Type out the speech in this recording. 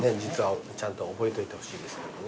ちゃんと覚えといてほしいですけどもね。